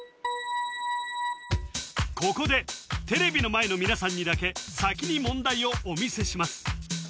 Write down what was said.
ここでテレビの前の皆さんにだけ先に問題をお見せします